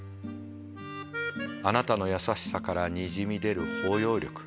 あなたの優しさからにじみ出る包容力。